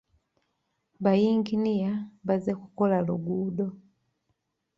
Bayinginiya bazze ku kukola luguudo.